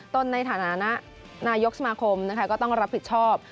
ในฐานะนายกสมาคมนะคะก็ต้องรับผิดชอบ